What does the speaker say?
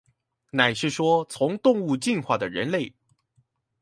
乃是說從動物進化的人類